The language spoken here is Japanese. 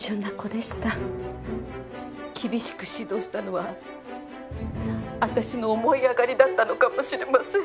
厳しく指導したのは私の思い上がりだったのかもしれません。